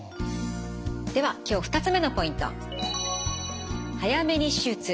では今日２つ目のポイント。